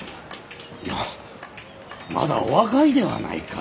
いやまだお若いではないか。